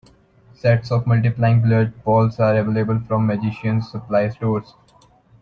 Sets of multiplying billiard balls are available from magicians' supply stores.